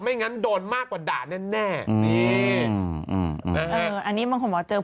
ไม่งั้นโดนมากกว่าด่าแน่